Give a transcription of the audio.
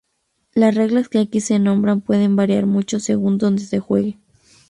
Las reglas que aquí se nombran pueden variar mucho según dónde se juegue.